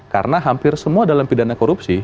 karena hampir semua dalam pidana korupsi